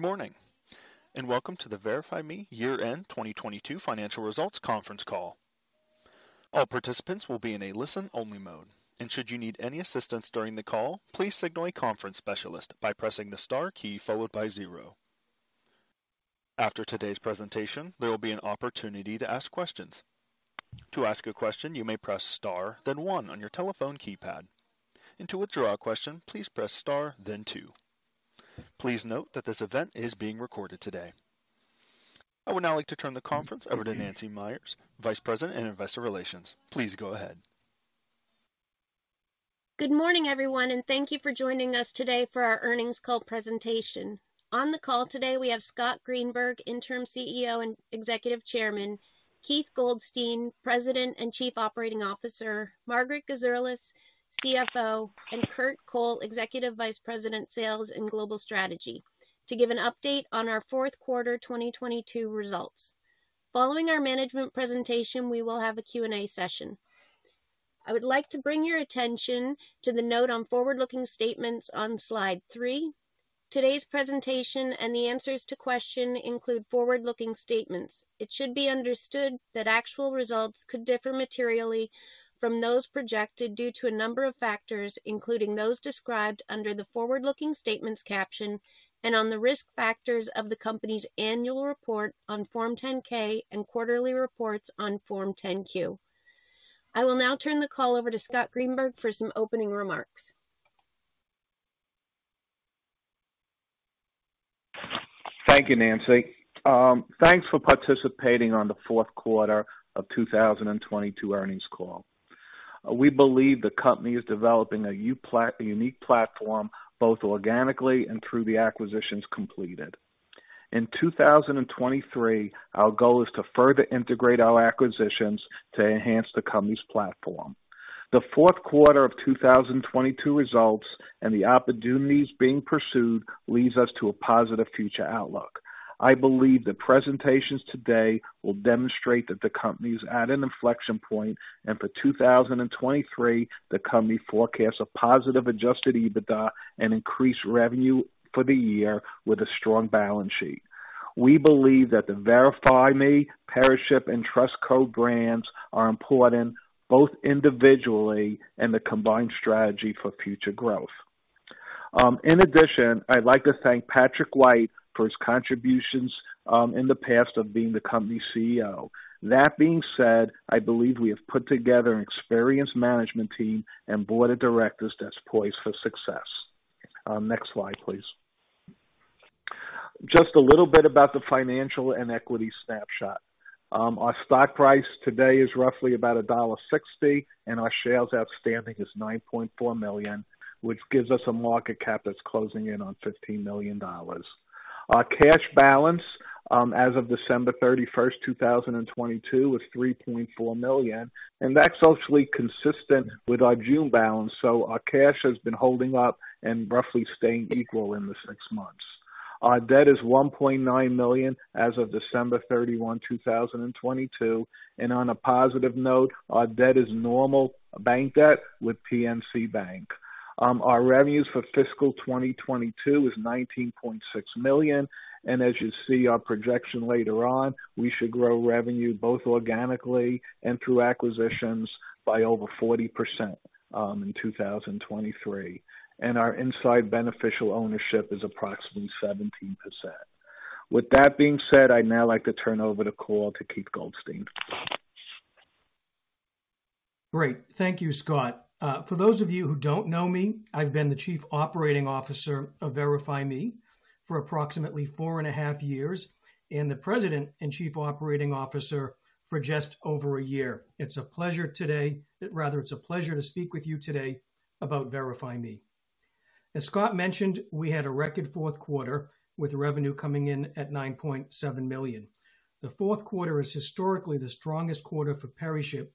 Good morning, and welcome to the VerifyMe Year-End 2022 Financial Results Conference Call. All participants will be in a listen-only mode. Should you need any assistance during the call, please signal a conference specialist by pressing the star key followed by zero. After today's presentation, there will be an opportunity to ask questions. To ask a question, you may press star then one on your telephone keypad. To withdraw a question, please press Star then two. Please note that this event is being recorded today. I would now like to turn the conference over to Nancy Meyers, Vice President and Investor Relations. Please go ahead. Good morning, everyone. Thank you for joining us today for our earnings call presentation. On the call today, we have Scott Greenberg, Interim CEO and Executive Chairman, Keith Goldstein, President and Chief Operating Officer, Margaret Gezerlis, CFO, and Curt Kole, Executive Vice President, Sales and Global Strategy, to give an update on our Q4 2022 results. Following our management presentation, we will have a Q&A session. I would like to bring your attention to the note on forward-looking statements on slide 3. Today's presentation and the answers to question include forward-looking statements. It should be understood that actual results could differ materially from those projected due to a number of factors, including those described under the forward-looking statements caption and on the risk factors of the company's annual report on Form 10-K and quarterly reports on Form 10-Q.I will now turn the call over to Scott Greenberg for some opening remarks. Thank you, Nancy. Thanks for participating on the Q4 of 2022 earnings call. We believe the company is developing a unique platform both organically and through the acquisitions completed. In 2023, our goal is to further integrate our acquisitions to enhance the company's platform. The Q4 of 2022 results and the opportunities being pursued leads us to a positive future outlook. I believe the presentations today will demonstrate that the company is at an inflection point, and for 2023, the company forecasts a positive adjusted EBITDA and increased revenue for the year with a strong balance sheet. We believe that the VerifyMe, PeriShip, and Trust Code brands are important both individually and the combined strategy for future growth. In addition, I'd like to thank Patrick White for his contributions in the past of being the company CEO. That being said, I believe we have put together an experienced management team and board of directors that's poised for success. Next slide, please. Just a little bit about the financial and equity snapshot. Our stock price today is roughly about $1.60, and our shares outstanding is 9.4 million, which gives us a market cap that's closing in on $15 million. Our cash balance as of December 31, 2022, was $3.4 million, and that's actually consistent with our June balance. Our cash has been holding up and roughly staying equal in the six months. Our debt is $1.9 million as of December 31, 2022. On a positive note, our debt is normal bank debt with PNC Bank. Our revenues for fiscal 2022 is $19.6 million. As you see our projection later on, we should grow revenue both organically and through acquisitions by over 40% in 2023. Our inside beneficial ownership is approximately 17%. With that being said, I'd now like to turn over the call to Keith Goldstein. Great. Thank you, Scott. For those of you who don't know me, I've been the Chief Operating Officer of VerifyMe for approximately 4.5 years, and the President and Chief Operating Officer for just over 1 year. It's a pleasure today. Rather, it's a pleasure to speak with you today about VerifyMe. As Scott mentioned, we had a record Q4 with revenue coming in at $9.7 million. The Q4 is historically the strongest quarter for PeriShip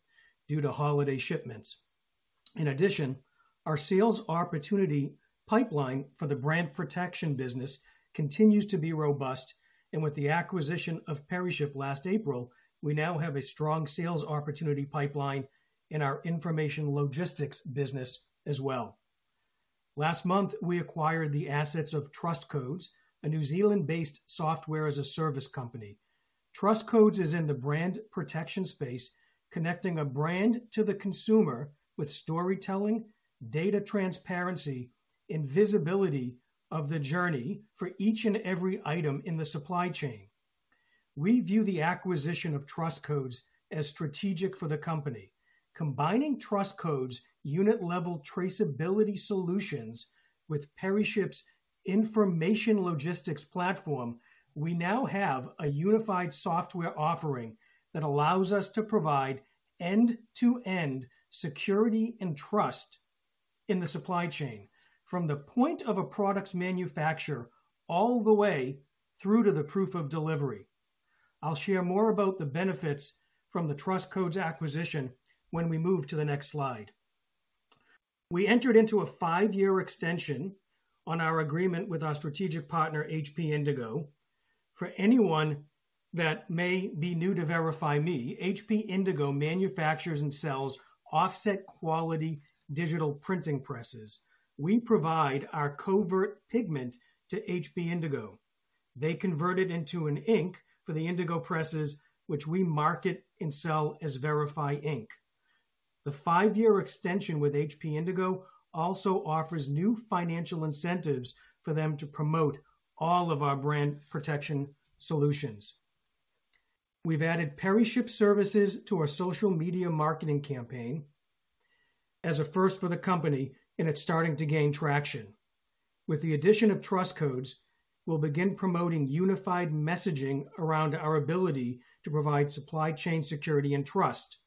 due to holiday shipments. Our sales opportunity pipeline for the brand protection business continues to be robust. With the acquisition of PeriShip last April, we now have a strong sales opportunity pipeline in our information logistics business as well. Last month, we acquired the assets of Trust Codes, a New Zealand-based software as a service company. Trust Codes is in the brand protection space, connecting a brand to the consumer with storytelling, data transparency, and visibility of the journey for each and every item in the supply chain. We view the acquisition of Trust Codes as strategic for the company. Combining Trust Codes' unit-level traceability solutions with PeriShip's information logistics platform, we now have a unified software offering that allows us to provide end-to-end security and trust in the supply chain from the point of a product's manufacturer all the way through to the proof of delivery. I'll share more about the benefits from the Trust Codes acquisition when we move to the next slide. We entered into a 5-year extension on our agreement with our strategic partner, HP Indigo. Anyone that may be new to VerifyMe, HP Indigo manufactures and sells offset quality digital printing presses. We provide our covert pigment to HP Indigo. They convert it into an ink for the HP Indigo presses, which we market and sell as VerifyInk. The 5-year extension with HP Indigo also offers new financial incentives for them to promote all of our brand protection solutions. We've added PeriShip services to our social media marketing campaign as a first for the company, and it's starting to gain traction. With the addition of Trust Codes, we'll begin promoting unified messaging around our ability to provide supply chain security and trust.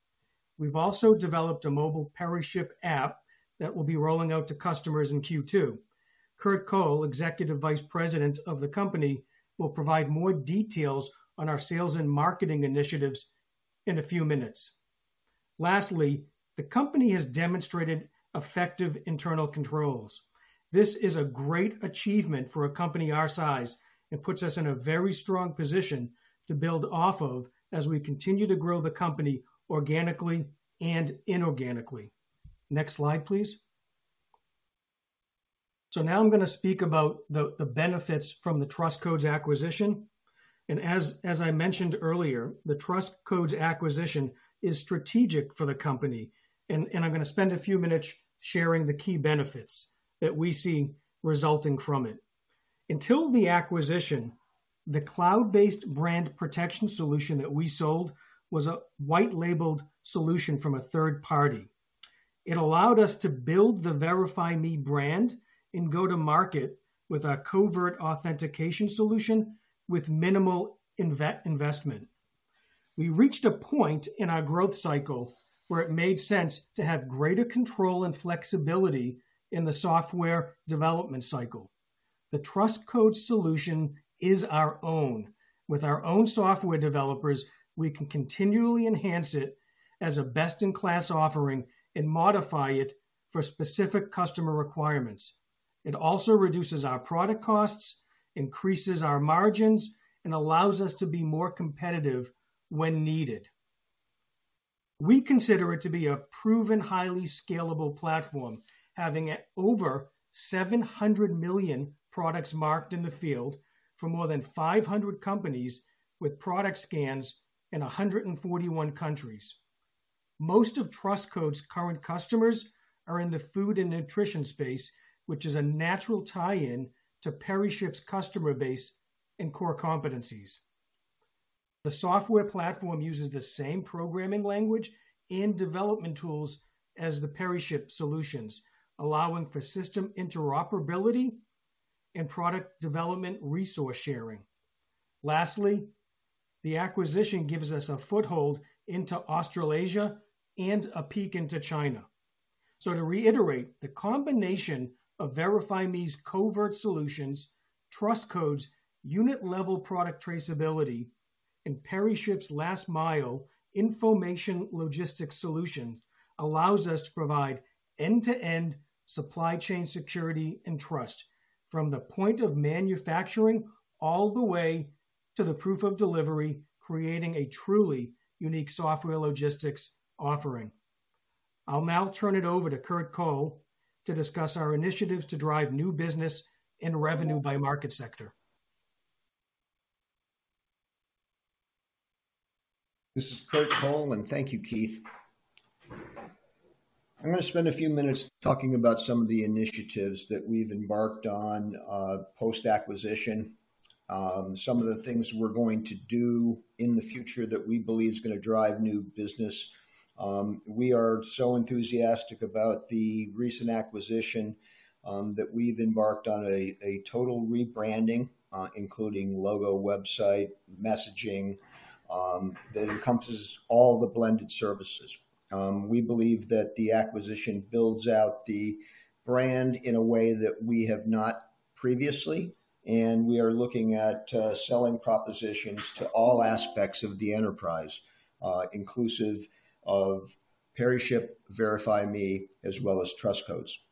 We've also developed a mobile PeriShip app that will be rolling out to customers in Q2. Curt Kole, Executive Vice President of the company, will provide more details on our sales and marketing initiatives in a few minutes. Lastly, the company has demonstrated effective internal controls. This is a great achievement for a company our size and puts us in a very strong position to build off of as we continue to grow the company organically and inorganically. Next slide, please. Now I'm gonna speak about the benefits from the Trust Codes acquisition. As I mentioned earlier, the Trust Codes acquisition is strategic for the company, and I'm gonna spend a few minutes sharing the key benefits that we see resulting from it. Until the acquisition, the cloud-based brand protection solution that we sold was a white-labeled solution from a third party. It allowed us to build the VerifyMe brand and go to market with a covert authentication solution with minimal investment. We reached a point in our growth cycle where it made sense to have greater control and flexibility in the software development cycle. The Trust Codes solution is our own. With our own software developers, we can continually enhance it as a best-in-class offering and modify it for specific customer requirements. It also reduces our product costs, increases our margins, and allows us to be more competitive when needed. We consider it to be a proven, highly scalable platform, having over 700 million products marked in the field for more than 500 companies with product scans in 141 countries. Most of Trust Codes current customers are in the food and nutrition space, which is a natural tie-in to PeriShip's customer base and core competencies. The software platform uses the same programming language and development tools as the PeriShip solutions, allowing for system interoperability and product development resource sharing. Lastly, the acquisition gives us a foothold into Australasia and a peek into China. To reiterate, the combination of VerifyMe's covert solutions, Trust Codes, unit-level product traceability, and PeriShip's last mile information logistics solution allows us to provide end-to-end supply chain security and trust from the point of manufacturing all the way to the proof of delivery, creating a truly unique software logistics offering. I'll now turn it over to Curt Kole to discuss our initiatives to drive new business and revenue by market sector. This is Curt Kole. Thank you, Keith. I'm gonna spend a few minutes talking about some of the initiatives that we've embarked on post-acquisition. Some of the things we're going to do in the future that we believe is gonna drive new business. We are so enthusiastic about the recent acquisition that we've embarked on a total rebranding, including logo, website, messaging, that encompasses all the blended services. We believe that the acquisition builds out the brand in a way that we have not previously, and we are looking at selling propositions to all aspects of the enterprise, inclusive of PeriShip, VerifyMe, as well as Trust Codes.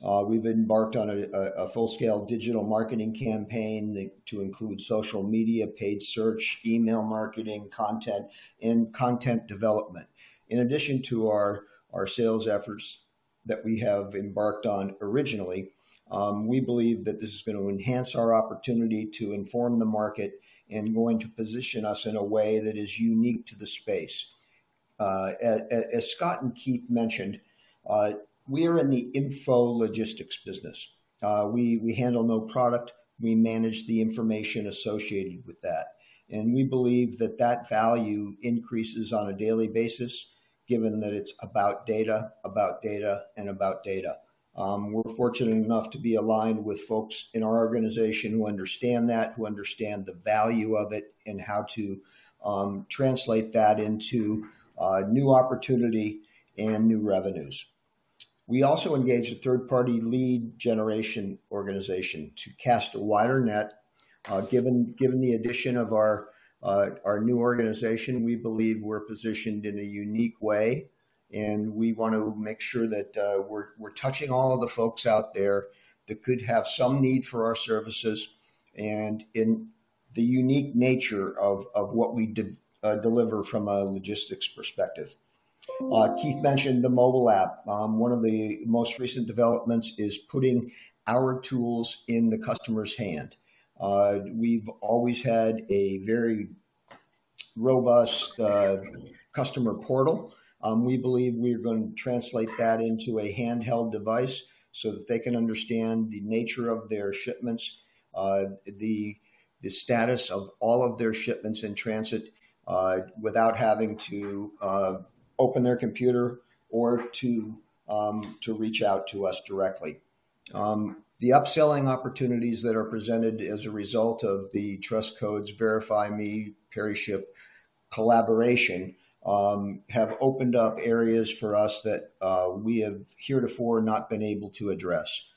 We've embarked on a full-scale digital marketing campaign to include social media, paid search, email marketing, content, and content development. In addition to our sales efforts that we have embarked on originally, we believe that this is gonna enhance our opportunity to inform the market and going to position us in a way that is unique to the space. As Scott and Keith mentioned, we are in the info logistics business. We handle no product. We manage the information associated with that, and we believe that value increases on a daily basis given that it's about data, about data, and about data. We're fortunate enough to be aligned with folks in our organization who understand that, who understand the value of it, and how to translate that into new opportunity and new revenues. We also engage a third-party lead generation organization to cast a wider net. Given the addition of our new organization, we believe we're positioned in a unique way. We want to make sure that we're touching all of the folks out there that could have some need for our services and in the unique nature of what we deliver from a logistics perspective. Keith mentioned the mobile app. One of the most recent developments is putting our tools in the customer's hand. We've always had a very robust customer portal. We believe we're going to translate that into a handheld device so that they can understand the nature of their shipments, the status of all of their shipments in transit, without having to open their computer or to reach out to us directly. The upselling opportunities that are presented as a result of the Trust Codes, VerifyMe, PeriShip collaboration, have opened up areas for us that we have heretofore not been able to address.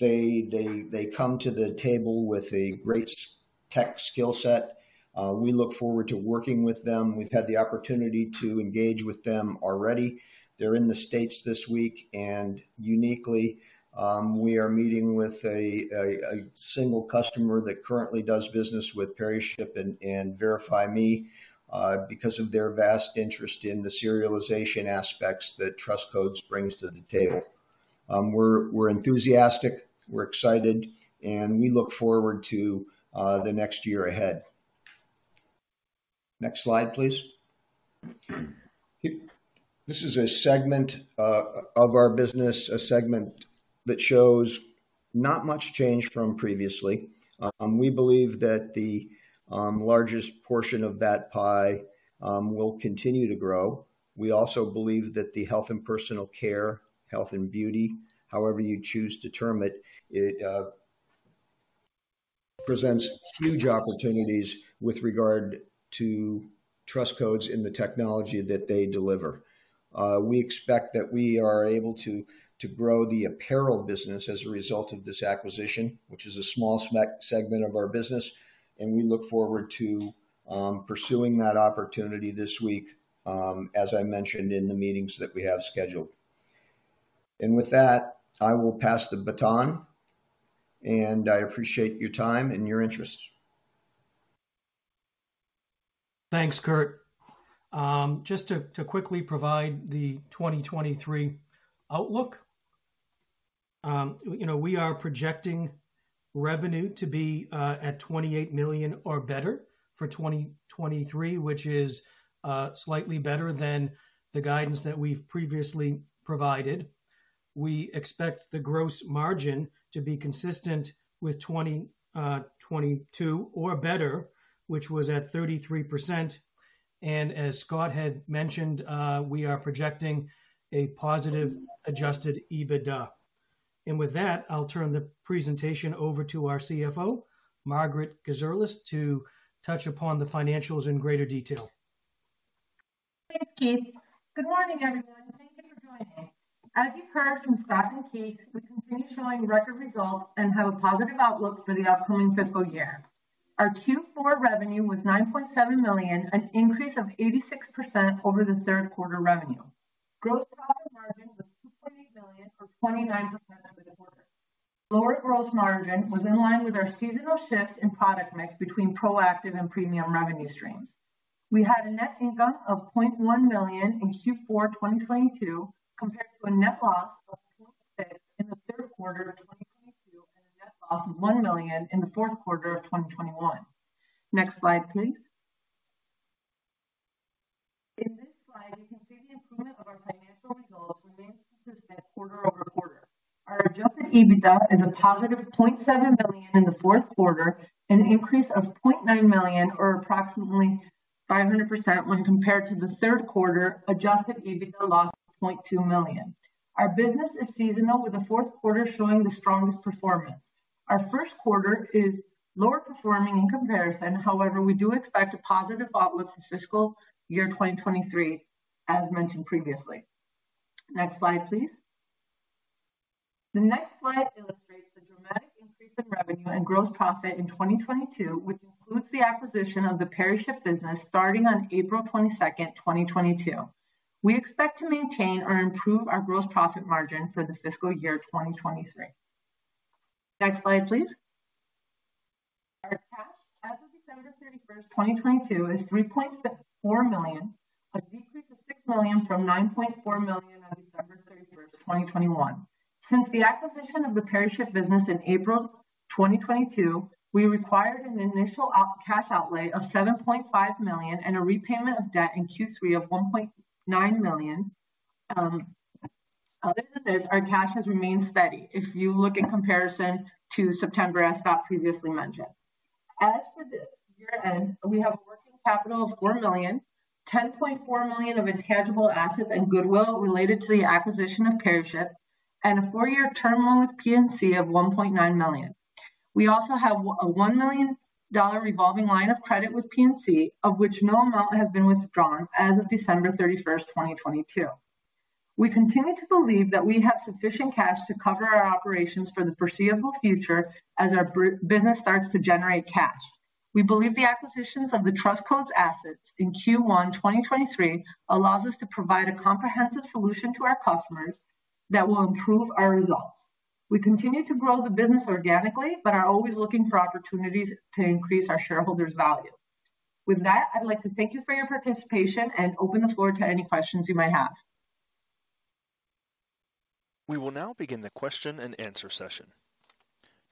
They come to the table with a great tech skill set. We look forward to working with them. We've had the opportunity to engage with them already. They're in the States this week, and uniquely, we are meeting with a single customer that currently does business with PeriShip and VerifyMe, because of their vast interest in the serialization aspects that Trust Codes brings to the table. We're enthusiastic, we're excited, and we look forward to the next year ahead. Next slide, please. This is a segment of our business, a segment that shows not much change from previously. We believe that the largest portion of that pie will continue to grow. We also believe that the health and personal care, health and beauty, however you choose to term it presents huge opportunities with regard to Trust Codes and the technology that they deliver. We expect that we are able to grow the apparel business as a result of this acquisition, which is a small segment of our business, and we look forward to pursuing that opportunity this week, as I mentioned in the meetings that we have scheduled. With that, I will pass the baton, and I appreciate your time and your interest. Thanks, Curt. Just to quickly provide the 2023 outlook. You know, we are projecting revenue to be at $28 million or better for 2023, which is slightly better than the guidance that we've previously provided. We expect the gross margin to be consistent with 2022 or better, which was at 33%. As Scott had mentioned, we are projecting a positive adjusted EBITDA. With that, I'll turn the presentation over to our CFO, Margaret Gezerlis, to touch upon the financials in greater detail. Thanks, Keith. Good morning, everyone, thank you for joining. As you heard from Scott and Keith, we continue showing record results and have a positive outlook for the upcoming fiscal year. Our Q4 revenue was $9.7 million, an increase of 86% over the Q3 revenue. Gross profit margin was $2.8 million or 29% for the quarter. Lower gross margin was in line with our seasonal shift in product mix between proactive and premium revenue streams. We had a net income of $0.1 million in Q4 2022 compared to a net loss of $0.6 million in the Q3 of 2022 and a net loss of $1 million in the Q4 of 2021. Next slide, please. In this slide, you can see the improvement of our financial results remains consistent quarter-over-quarter. Our adjusted EBITDA is a positive $0.7 million in the Q4, an increase of $0.9 million or approximately 500% when compared to the Q3 adjusted EBITDA loss of $0.2 million. Our business is seasonal, with the Q4 showing the strongest performance. Our Q1 is lower performing in comparison. We do expect a positive outlook for fiscal year 2023, as mentioned previously. Next slide, please. The next slide illustrates the dramatic increase in revenue and gross profit in 2022, which includes the acquisition of the PeriShip business starting on April 22nd, 2022. We expect to maintain or improve our gross profit margin for the fiscal year 2023. Next slide, please. Our cash as of December 31, 2022, is $3.4 million, a decrease of $6 from 9.4 million on December 31, 2021. Since the acquisition of the PeriShip business in April 2022, we required an initial cash outlay of $7.5 million and a repayment of debt in Q3 of $1.9 million. Other than this, our cash has remained steady, if you look in comparison to September, as Scott previously mentioned. As for the year-end, we have a working capital of $4 million, $10.4 million of intangible assets and goodwill related to the acquisition of PeriShip, and a 4-year term loan with PNC of $1.9 million. We also have a $1 million revolving line of credit with PNC, of which no amount has been withdrawn as of December 31, 2022. We continue to believe that we have sufficient cash to cover our operations for the foreseeable future as our business starts to generate cash. We believe the acquisitions of the Trust Codes assets in Q1 2023 allows us to provide a comprehensive solution to our customers that will improve our results. We continue to grow the business organically, but are always looking for opportunities to increase our shareholders' value. With that, I'd like to thank you for your participation and open the floor to any questions you might have. We will now begin the question-and-answer session.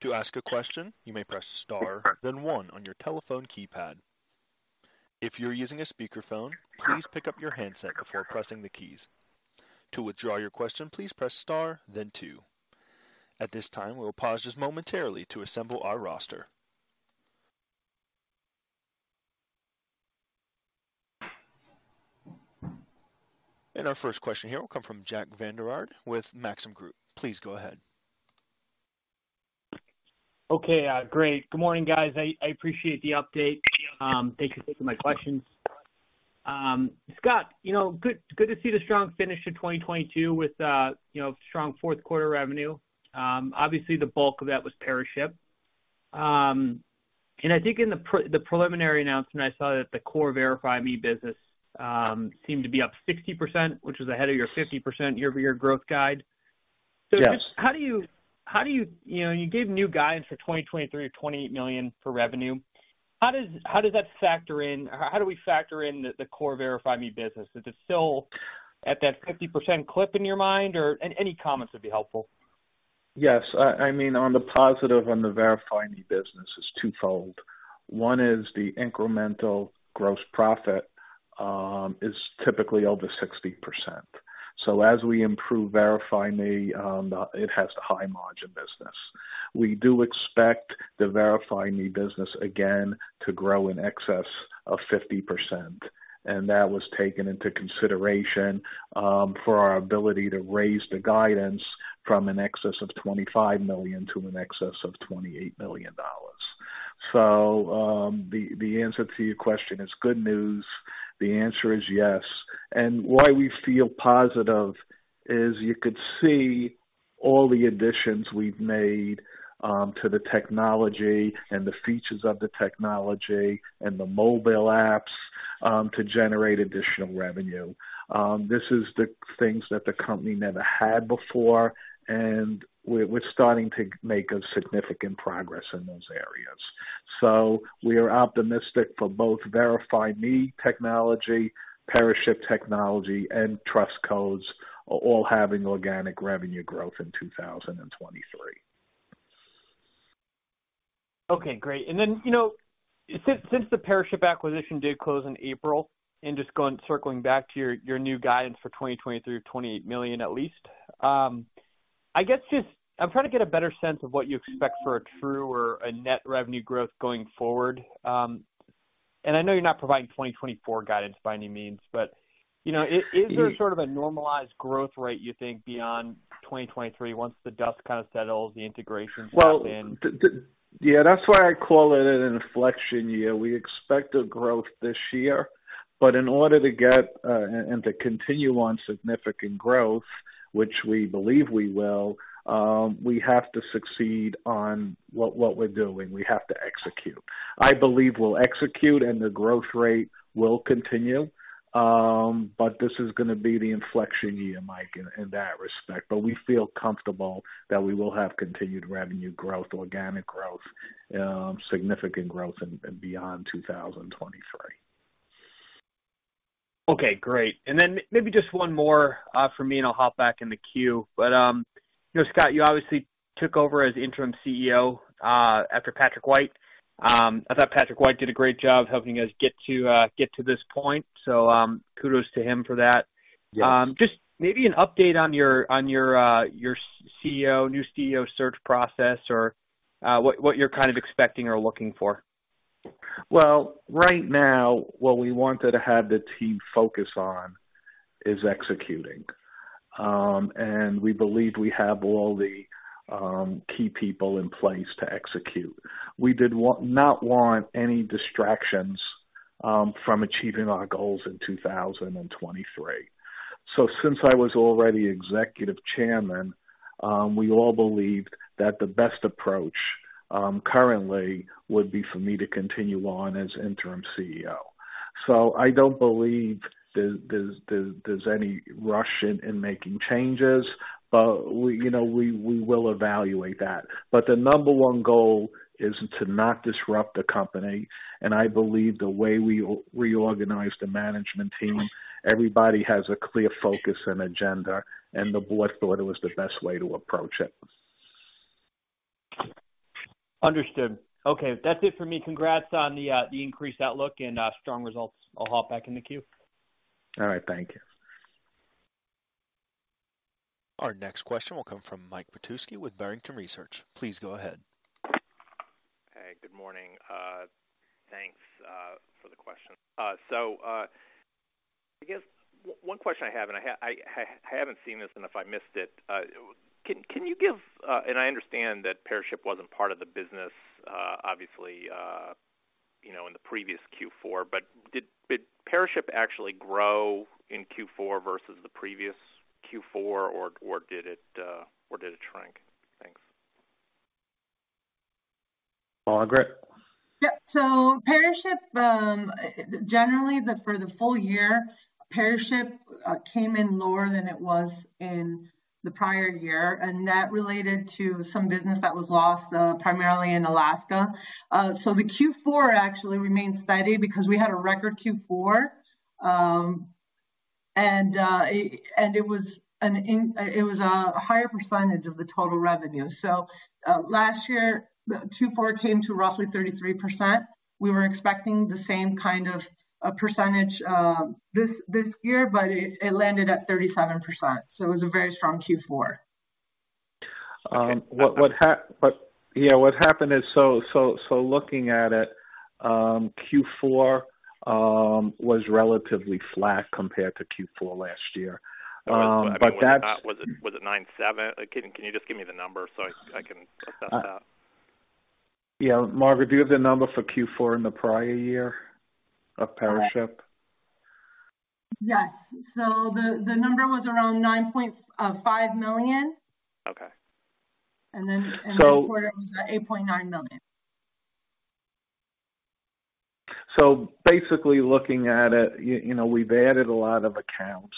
To ask a question, you may press star then one on your telephone keypad. If you're using a speakerphone, please pick up your handset before pressing the keys. To withdraw your question, please press star then two. At this time, we will pause just momentarily to assemble our roster. Our first question here will come from Jack Vander Aarde with Maxim Group. Please go ahead. Okay. great. Good morning, guys. I appreciate the update. Thank you for taking my questions. Scott, you know, good to see the strong finish to 2022 with, you know, strong Q4 revenue. Obviously the bulk of that was PeriShip. I think in the preliminary announcement, I saw that the core VerifyMe business, seemed to be up 60%, which was ahead of your 50% year-over-year growth guide. Just how do you know, you gave new guidance for 2023 of $28 million for revenue. How does that factor in? How do we factor in the core VerifyMe business? Is it still at that 50% clip in your mind, or any comments would be helpful? Yes. I mean, on the positive on the VerifyMe business is twofold. One is the incremental gross profit is typically over 60%. As we improve VerifyMe, it has high margin business. We do expect the VerifyMe business again to grow in excess of 50%. That was taken into consideration for our ability to raise the guidance from an excess of $25 million to an excess of $28 million. The answer to your question is good news. The answer is yes. Why we feel positive is you could see all the additions we've made to the technology and the features of the technology and the mobile apps to generate additional revenue. This is the things that the company never had before, and we're starting to make a significant progress in those areas. We are optimistic for both VerifyMe technology, PeriShip technology, and Trust Codes all having organic revenue growth in 2023. Okay, great. You know, since the PeriShip acquisition did close in April, just going, circling back to your new guidance for 2023 of $28 million at least. I guess just I'm trying to get a better sense of what you expect for a true or a net revenue growth going forward. I know you're not providing 2024 guidance by any means, but, you know, is there sort of a normalized growth rate you think beyond 2023 once the dust kind of settles, the integrations happen? Well, Yeah, that's why I call it an inflection year. We expect a growth this year, but in order to get and to continue on significant growth, which we believe we will, we have to succeed on what we're doing. We have to execute. I believe we'll execute and the growth rate will continue. This is gonna be the inflection year, Mike, in that respect. We feel comfortable that we will have continued revenue growth, organic growth, significant growth in beyond 2023. Okay, great. Maybe just one more, from me, and I'll hop back in the queue. You know, Scott, you obviously took over as interim CEO, after Patrick White. I thought Patrick White did a great job helping you guys get to, get to this point. Kudos to him for that. Yes. Just maybe an update on your CEO, new CEO search process or what you're kind of expecting or looking for? Well, right now what we wanted to have the team focus on is executing. We believe we have all the key people in place to execute. We did not want any distractions from achieving our goals in 2023. Since I was already executive chairman, we all believed that the best approach currently would be for me to continue on as interim CEO. I don't believe there's any rush in making changes, but we, you know, we will evaluate that. The number one goal is to not disrupt the company. I believe the way we reorganize the management team, everybody has a clear focus and agenda, and the board thought it was the best way to approach it. Understood. Okay. That's it for me. Congrats on the increased outlook and strong results. I'll hop back in the queue. All right. Thank you. Our next question will come from Michael Petusky with Barrington Research. Please go ahead. Hey, good morning. Thanks for the question. I guess one question I have, and I haven't seen this and if I missed it. Can you give... I understand that PeriShip wasn't part of the business, obviously, you know, in the previous Q4, but did PeriShip actually grow in Q4 versus the previous Q4, or did it shrink? Thanks. Margaret. Yep. PeriShip, generally for the full year, PeriShip came in lower than it was in the prior year, and that related to some business that was lost, primarily in Alaska. The Q4 actually remained steady because we had a record Q4. It was a higher percentage of the total revenue. Last year, the Q4 came to roughly 33%. We were expecting the same kind of a percentage this year, but it landed at 37%. It was a very strong Q4. Yeah, what happened is so looking at it, Q4 was relatively flat compared to Q4 last year. Was it not? Was it 97? Can you just give me the number so I can assess that? Yeah. Margaret, do you have the number for Q4 in the prior year of PeriShip? Yes. the number was around $9.5 million. Okay. And then in this quarter it was at $8.9 million. Basically looking at it, you know, we've added a lot of accounts.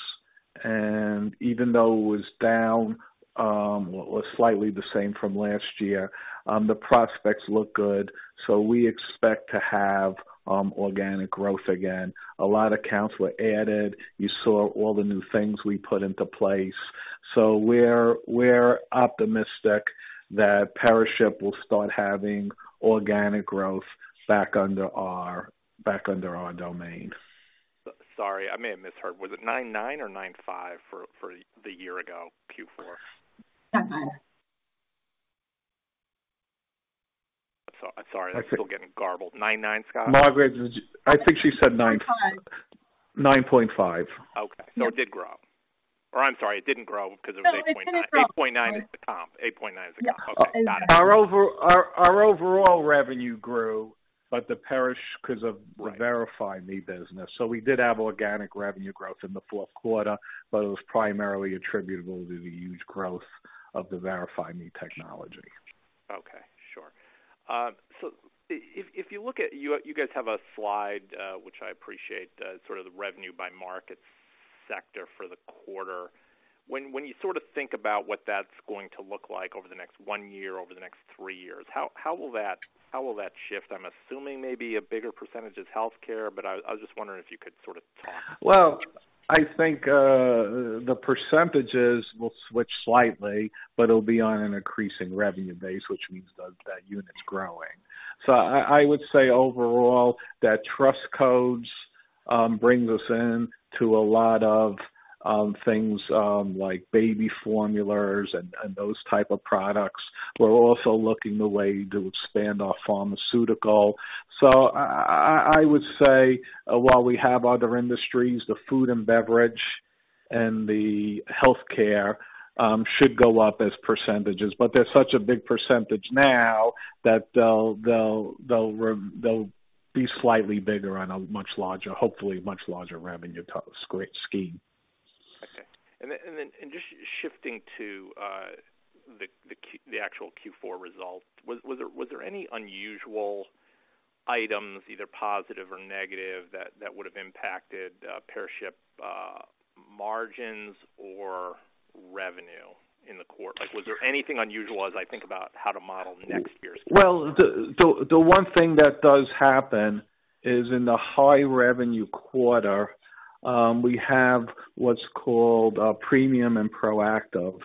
Even though it was down, or slightly the same from last year, the prospects look good. We expect to have organic growth again. A lot of accounts were added. You saw all the new things we put into place. We're optimistic that PeriShip will start having organic growth back under our domain. Sorry, I may have misheard. Was it 99 or 95 for the year ago Q4? 95. Sorry. That's still getting garbled. 99, Scott? Margaret, I think she said nine-. 95. 9.5. Okay. Yes. It did grow. I'm sorry, it didn't grow because it was 8.9. It did grow. 8.9 is the comp. Yeah. Okay, got it. Our overall revenue grew, but the PeriShip, because of the VerifyMe business. We did have organic revenue growth in the Q4, but it was primarily attributable to the huge growth of the VerifyMe technology. Okay, sure. If you look at... You guys have a slide, which I appreciate, sort of the revenue by market sector for the quarter. When you sort of think about what that's going to look like over the next 1 year, over the next 3 years, how will that shift? I'm assuming maybe a bigger percentage is healthcare, but I was just wondering if you could sort of talk. I think the % will switch slightly, but it'll be on an increasing revenue base, which means that unit's growing. I would say overall that Trust Codes bring us in to a lot of things like baby formulas and those type of products. We're also looking the way to expand our pharmaceutical. I would say while we have other industries, the food and beverage and the healthcare should go up as %. They're such a big % now that they'll be slightly bigger on a much larger, hopefully much larger revenue scheme. Okay. Just shifting to the actual Q4 results. Was there any unusual items, either positive or negative, that would have impacted PeriShip margins or revenue? Like, was there anything unusual as I think about how to model next year's growth? Well, the one thing that does happen is in the high revenue quarter, we have what's called, premium and proactive.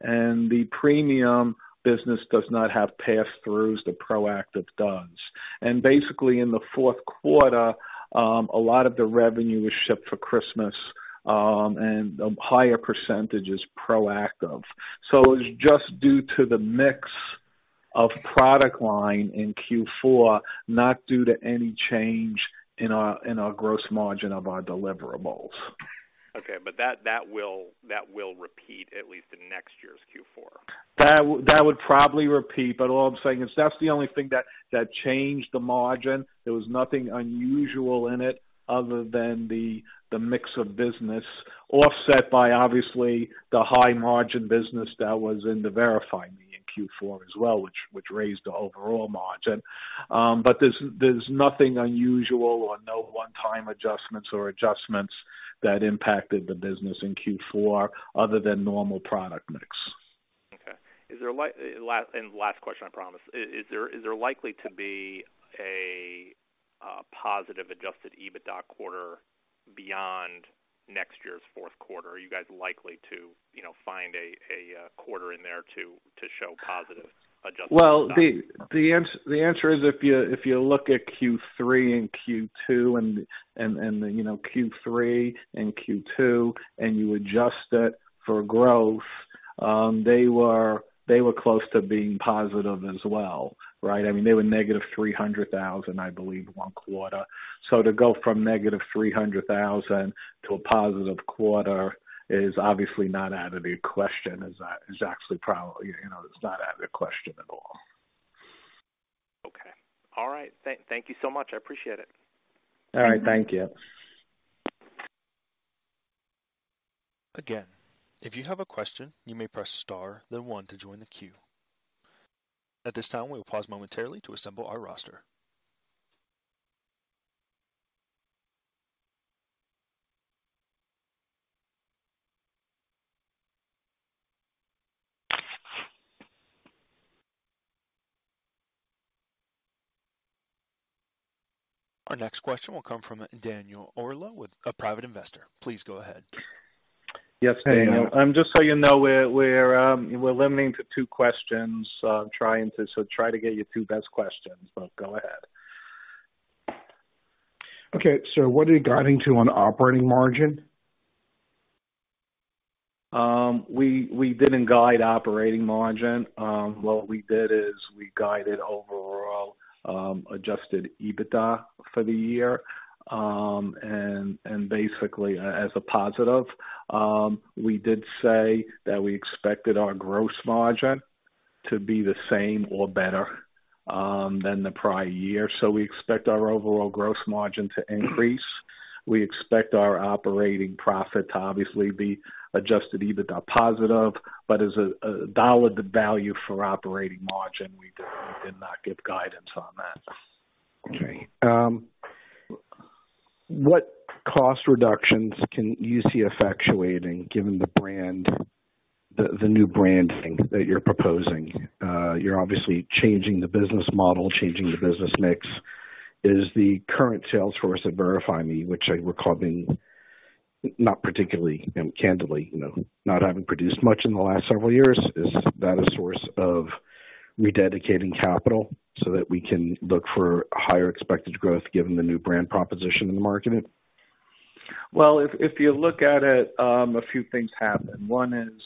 The premium business does not have passthroughs. The proactive does. Basically, in the Q4, a lot of the revenue was shipped for Christmas, and a higher percentage is proactive. It was just due to the mix of product line in Q4, not due to any change in our gross margin of our deliverables. Okay. That will repeat at least in next year's Q4. That would probably repeat, but all I'm saying is that's the only thing that changed the margin. There was nothing unusual in it other than the mix of business offset by obviously the high margin business that was in the VerifyMe in Q4 as well, which raised the overall margin. There's nothing unusual or no one-time adjustments or adjustments that impacted the business in Q4 other than normal product mix. Okay. The last question, I promise. Is there likely to be a positive adjusted EBITDA quarter beyond next year's Q4? Are you guys likely to, you know, find a quarter in there to show positive adjusted EBITDA? Well, the answer is if you look at Q3 and Q2 and, you know, Q3 and Q2, and you adjust it for growth, they were close to being positive as well, right? I mean, they were -$300,000, I believe, one quarter. To go from -$300,000 to a positive quarter is obviously not out of the question. Is actually probably, you know, it's not out of the question at all. Okay. All right. Thank you so much. I appreciate it. All right. Thank you. Again, if you have a question, you may press Star then one to join the queue. At this time, we will pause momentarily to assemble our roster. Our next question will come from Daniel Orlow with a private investor. Please go ahead. Yes, Daniel. just so you know, we're limiting to 2 questions. Try to get your 2 best questions. Go ahead. Okay. what are you guiding to on operating margin? We didn't guide operating margin. What we did is we guided overall adjusted EBITDA for the year. Basically as a positive, we did say that we expected our gross margin to be the same or better than the prior year. We expect our overall gross margin to increase. We expect our operating profit to obviously be adjusted EBITDA positive. As a dollar, the value for operating margin, we did not give guidance on that. What cost reductions can you see effectuating given the brand, the new branding that you're proposing? You're obviously changing the business model, changing the business mix. Is the current sales force at VerifyMe, which I recall being not particularly, you know, candidly, you know, not having produced much in the last several years, a source of rededicating capital so that we can look for higher expected growth given the new brand proposition in the market? If, if you look at it, a few things happened. One is,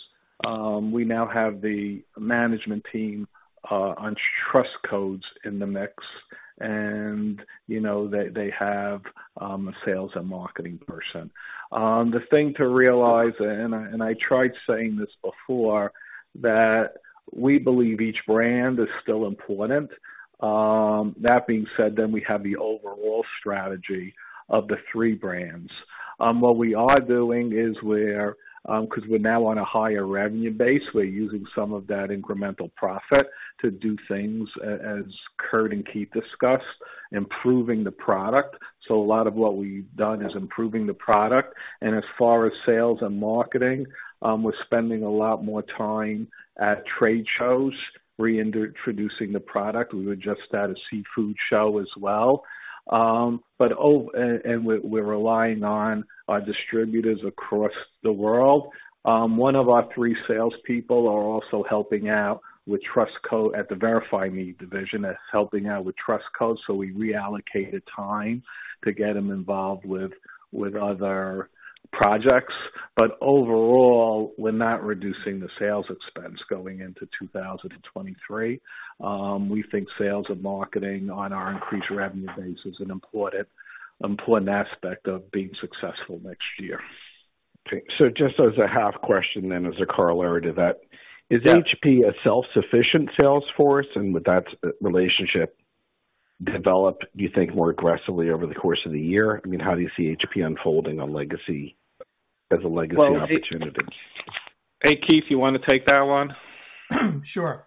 we now have the management team on Trust Codes in the mix. You know, they have a sales and marketing person. The thing to realize, and I, and I tried saying this before, that we believe each brand is still important. That being said, we have the overall strategy of the three brands. What we are doing is we're, 'cause we're now on a higher revenue base, we're using some of that incremental profit to do things as Curt and Keith discussed, improving the product. A lot of what we've done is improving the product. As far as sales and marketing, we're spending a lot more time at trade shows reintroducing the product. We were just at a seafood show as well. We're relying on our distributors across the world. One of our three salespeople are also helping out with Trust Codes at the VerifyMe division that's helping out with Trust Codes, so we reallocated time to get them involved with other projects. Overall, we're not reducing the sales expense going into 2023. We think sales and marketing on our increased revenue base is an important aspect of being successful next year. Okay. Just as a half question then, as a corollary to that. Yeah. Is HP a self-sufficient sales force? Would that relationship develop, you think, more aggressively over the course of the year? I mean, how do you see HP unfolding as a legacy opportunity? Well, Hey, Keith, you wanna take that one? Sure.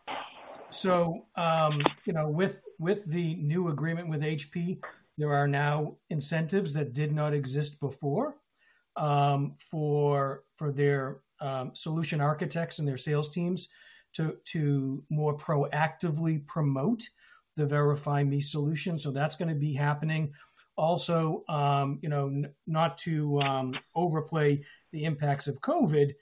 You know, with the new agreement with HP, there are now incentives that did not exist before, for their solution architects and their sales teams to more proactively promote the VerifyMe solution. That's gonna be happening. Also, you know, not to overplay the impacts of COVID,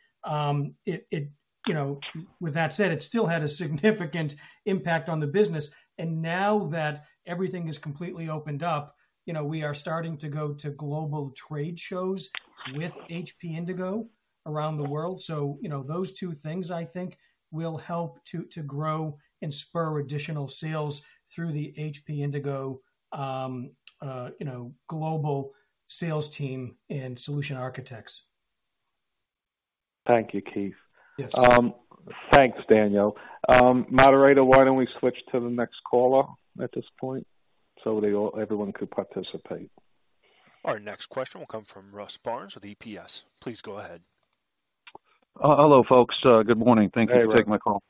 it, you know, with that said, it still had a significant impact on the business. Now that everything is completely opened up, you know, we are starting to go to global trade shows with HP Indigo around the world. You know, those two things, I think, will help to grow and spur additional sales through the HP Indigo, you know, global sales team and solution architects. Thank you, Keith. Yes. Thanks, Daniel. Moderator, why don't we switch to the next caller at this point so everyone could participate. Our next question will come from Russ Barnes with EPS. Please go ahead. Hello, folks. Good morning. Hey, Russ. Thank you for taking my call.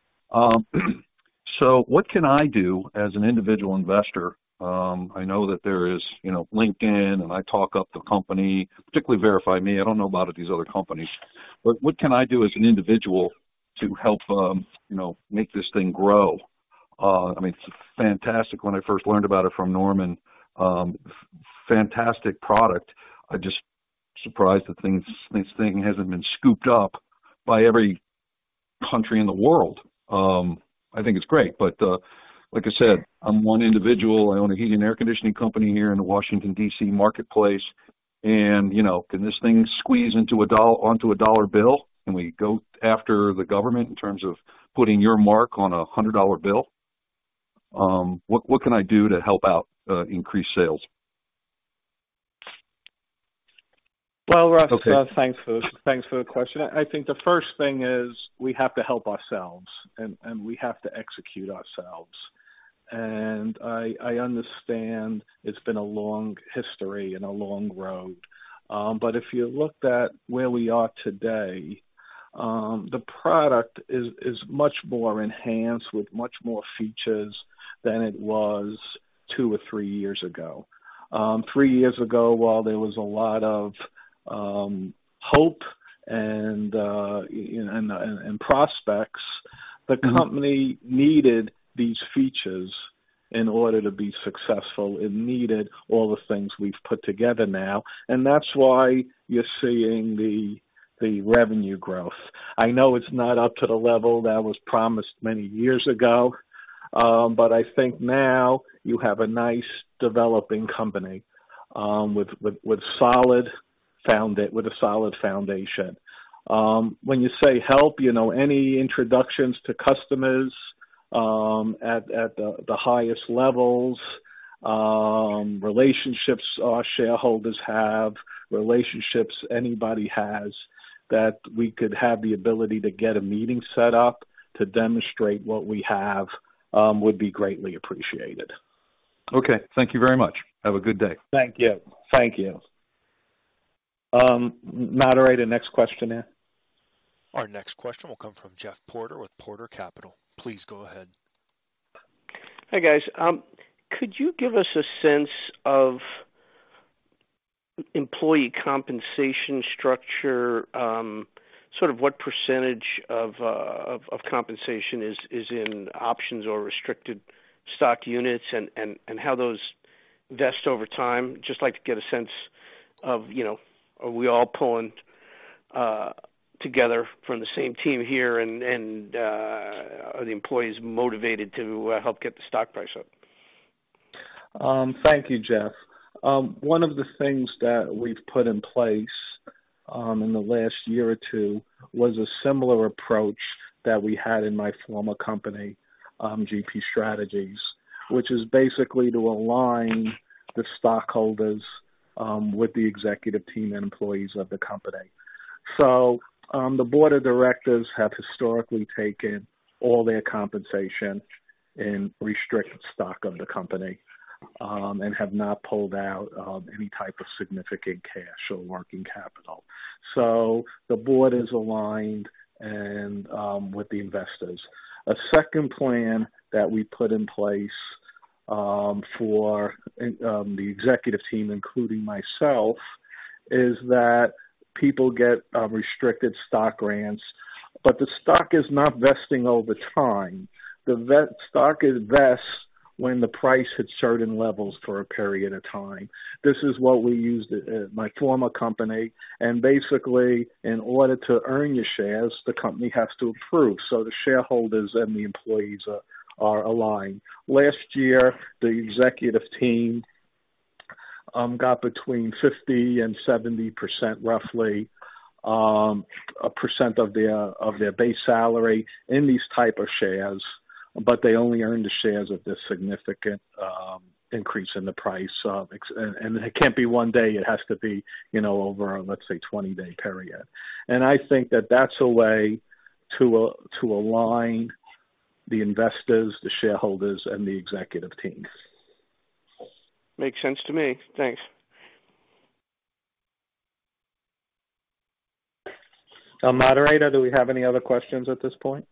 What can I do as an individual investor? I know that there is, you know, LinkedIn, and I talk up the company, particularly VerifyMe. I don't know about these other companies. What can I do as an individual to help, you know, make this thing grow? I mean, it's fantastic when I first learned about it from Norman. Fantastic product. I'm just surprised that this thing hasn't been scooped up by every country in the world. I think it's great. Like I said, I'm one individual. I own a heating air conditioning company here in the Washington, D.C. marketplace. You know, can this thing squeeze onto a dollar bill? Can we go after the government in terms of putting your mark on a $100 bill? What can I do to help out, increase sales? Well, Russ thanks for the question. I think the first thing is we have to help ourselves and we have to execute ourselves. I understand it's been a long history and a long road. If you looked at where we are today, the product is much more enhanced with much more features than it was 2 or 3 years ago. 3 years ago, while there was a lot of hope and prospects, the company needed these features in order to be successful. It needed all the things we've put together now, and that's why you're seeing the revenue growth. I know it's not up to the level that was promised many years ago, I think now you have a nice developing company with a solid foundation. When you say help, you know, any introductions to customers, at the highest levels, relationships our shareholders have, relationships anybody has, that we could have the ability to get a meeting set up to demonstrate what we have, would be greatly appreciated. Okay. Thank you very much. Have a good day. Thank you. Thank you. moderator, next question in. Our next question will come from Jeff Porter with Porter Capital. Please go ahead. Hi, guys. Could you give us a sense of employee compensation structure? Sort of what percentage of compensation is in options or restricted stock units and how those vest over time? Just like to get a sense of, you know, are we all pulling together from the same team here and are the employees motivated to help get the stock price up? Thank you, Jeff. One of the things that we've put in place in the last year or two was a similar approach that we had in my former company, GP Strategies, which is basically to align the stockholders with the executive team and employees of the company. The board of directors have historically taken all their compensation in restricted stock of the company and have not pulled out any type of significant cash or working capital. The board is aligned and with the investors. A second plan that we put in place for the executive team, including myself, is that people get restricted stock grants, but the stock is not vesting over time. The stock it vests when the price hits certain levels for a period of time. This is what we used at my former company. Basically, in order to earn your shares, the company has to approve, so the shareholders and the employees are aligned. Last year, the executive team got between 50% and 70%, roughly, a percent of their base salary in these type of shares, but they only earn the shares at the significant increase in the price. It can't be one day, it has to be, you know, over, let's say, a 20-day period. I think that that's a way to align the investors, the shareholders, and the executive teams. Makes sense to me. Thanks. Moderator, do we have any other questions at this point?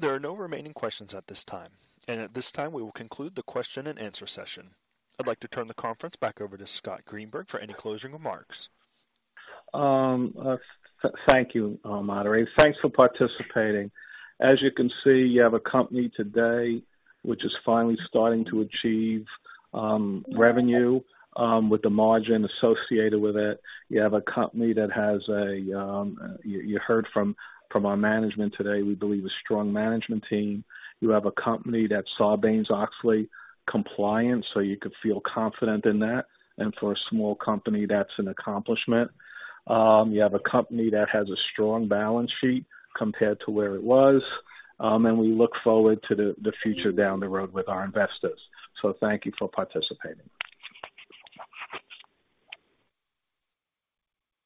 There are no remaining questions at this time. At this time, we will conclude the question and answer session. I'd like to turn the conference back over to Scott Greenberg for any closing remarks. Thank you, moderator. Thanks for participating. As you can see, you have a company today which is finally starting to achieve revenue with the margin associated with it. You have a company that has a, you heard from our management today, we believe, a strong management team. You have a company that's Sarbanes-Oxley compliant, so you could feel confident in that. For a small company, that's an accomplishment. You have a company that has a strong balance sheet compared to where it was. We look forward to the future down the road with our investors. Thank you for participating.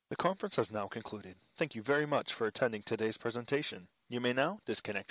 The conference has now concluded. Thank you very much for attending today's presentation. You may now disconnect.